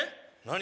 何？